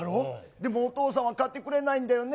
でもお父さんは勝ってくれないんだよね。